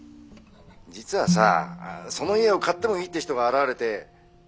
実はさその家を買ってもいいって人が現れて。